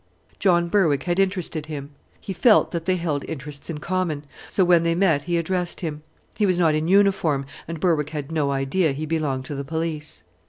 John Berwick had interested him. He felt that they held interests in common, so when they met he addressed him. He was not in uniform, and Berwick had no idea he belonged to the police.